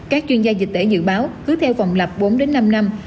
các chuyên gia dịch tễ dự báo cứ theo vòng lập bốn đến năm năm